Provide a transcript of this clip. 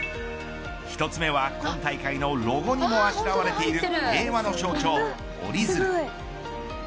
１つ目は、今大会のロゴにもあしらわれている平和の象徴・折り鶴。